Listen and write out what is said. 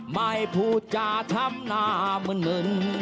ไม่พูดจาทำหน้ามึน